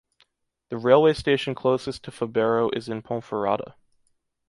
The railway station closest to Fabero is in Ponferrada.